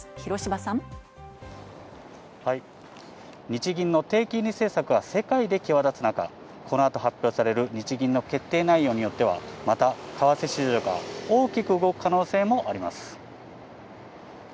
日銀の低金利政策が世界で際立つ中、この後、発表される日銀の決定内容によってはまた為替市場が大きく動く可能性もあります。